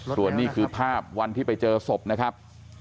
ส่วนนี้คือภาพวันที่ไปเจอศพนะครับ